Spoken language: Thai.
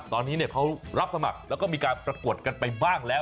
ตอนนี้เขารับสมัครแล้วก็มีการประกวดกันไปบ้างแล้ว